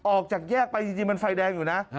ออกจากแยกไปจริงมันไฟแดงอยู่นะ